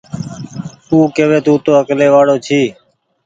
او ڪوي تونٚ تو اڪلي وآڙو ڇي